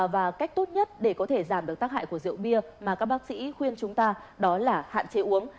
và cách tốt nhất để có thể giảm được tác hại của rượu bia mà các bác sĩ khuyên chúng ta đó là hạn chế uống